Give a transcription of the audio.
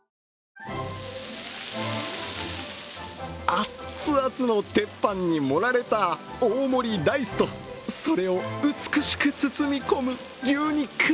アッツアツの鉄板に盛られた大盛ライスと、それを美しく包み込む牛肉。